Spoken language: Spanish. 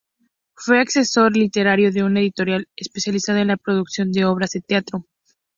Fue asesor literario de una editorial especializada en la publicación de obras de teatro.